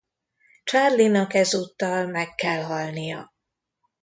Charlie-nak ezúttal meg kell halnia.